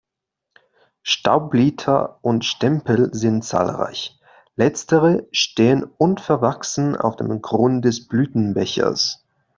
Staubblätter und Stempel sind zahlreich, letztere stehen unverwachsen auf dem Grund des Blütenbechers.